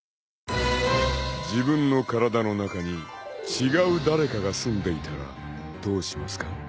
［自分の体の中に違う誰かがすんでいたらどうしますか？］